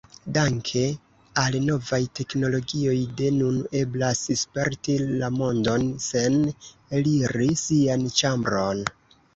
Danke al novaj teknologioj, de nun eblas sperti la mondon sen eliri sian ĉambron.